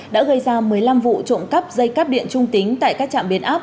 đã gây ra một mươi năm vụ trộm cắp dây cắp điện trung tính tại các trạm biến áp